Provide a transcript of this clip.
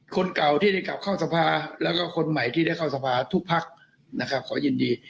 คนเก่าที่ได้กลับเข้าสภาแล้วก็คนใหม่ที่ได้เข้าสภาทุกพักนะครับขอยินดี